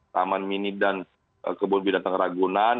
taman mini dan kebun binatang ragunan